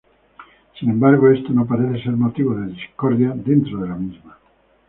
Sin embargo, esto no parece ser motivo de discordia dentro de la misma.